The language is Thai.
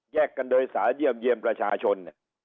กันโดยสาเยี่ยมเยี่ยมประชาชน